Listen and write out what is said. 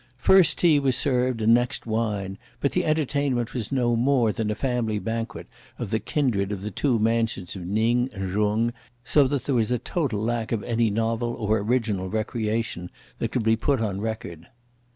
First tea was served, and next wine; but the entertainment was no more than a family banquet of the kindred of the two mansions of Ning and Jung, so that there was a total lack of any novel or original recreation that could be put on record.